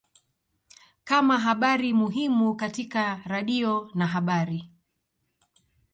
kama habari muhimu katika radio na habari